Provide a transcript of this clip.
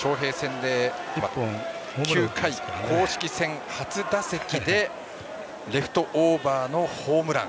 昌平戦で９回、公式戦初打席でレフトオーバーのホームラン。